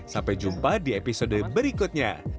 sampai jumpa di episode berikutnya